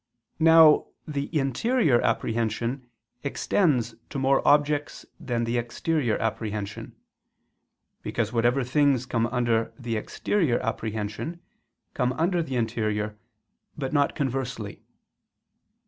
Now the interior apprehension extends to more objects than the exterior apprehension: because whatever things come under the exterior apprehension, come under the interior, but not conversely.